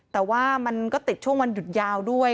แต่ว่ามันก็ติดช่วงวันหยุดยาวด้วย